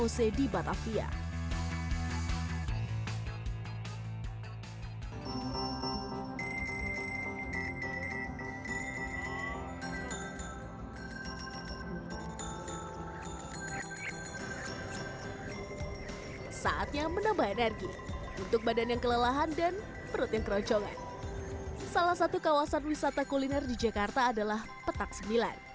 salah satu kawasan wisata kuliner di jakarta adalah petak sembilan